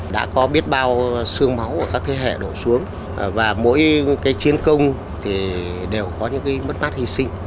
đã có biết bao sương máu của các thế hệ đổ xuống và mỗi chiến công thì đều có những mất mát hy sinh